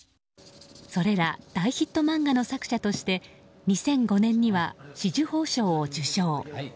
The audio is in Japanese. それら大ヒット漫画の作者として２００５年には紫綬褒章を受章。